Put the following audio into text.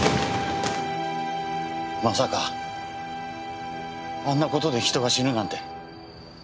まさかあんな事で人が死ぬなんて。